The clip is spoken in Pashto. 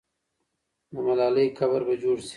د ملالۍ قبر به جوړ سي.